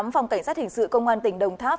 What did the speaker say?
phòng cảnh sát hình sự công an tỉnh đồng tháp